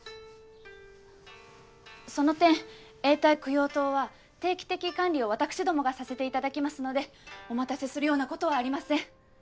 その点永代供養塔は定期的管理を私どもがさせていただきますのでお待たせするようなことはありません。